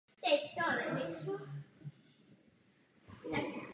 Na mapách je vyznačena zelenou barvou.